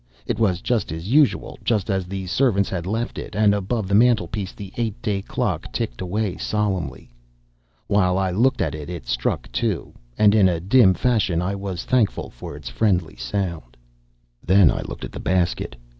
It was just as usual, just as the servants had left it, and above the mantelpiece the eight day clock ticked away solemnly. While I looked at it it struck two, and in a dim fashion I was thankful for its friendly sound. Then I looked at the basket.